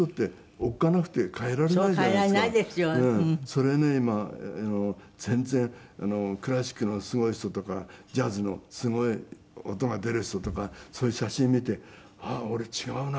それね今全然クラシックのすごい人とかジャズのすごい音が出る人とかそういう写真見てあっ俺違うな。